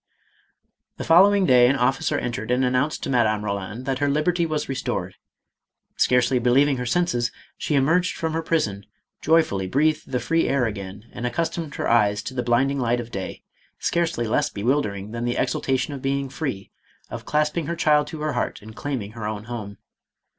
The following day an officer entered and announced to Madame Koland, that her liberty was restored. Scarcely believing her senses she emerged from her prison, joyfully breathed' the free air again and ac customed her eyes to the blinding light of day, scarcely less bewildering than the exultation of being free, of clasping her child to her heart and claiming her own home.